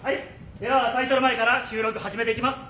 ではタイトル前から収録始めていきます。